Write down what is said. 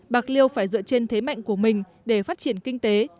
bạc liêu phải dựa trên thế mạnh của mình để phát triển kinh tế